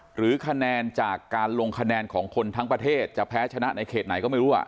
หรือคะแนนจากการลงคะแนนของคนทั้งประเทศจะแพ้ชนะในเขตไหนก็ไม่รู้